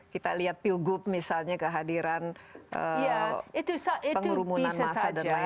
kita lihat pilgub misalnya kehadiran pengurumunan masa dan lain lain